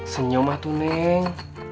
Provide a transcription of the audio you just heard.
senyum mah tuh neng